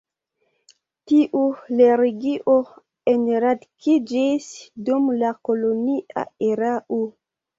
Tiu religio enradikiĝis dum la kolonia erao.